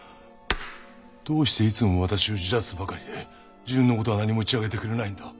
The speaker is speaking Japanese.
どうしていつも私を焦らすばかりで自分の事は何も打ち明けてくれないんだ？